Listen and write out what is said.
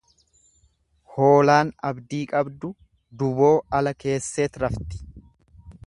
Hoolaan abdii qabdu duboo ala keesseet rafti.